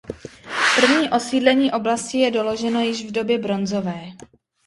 První osídlení oblasti je doloženo již v době bronzové.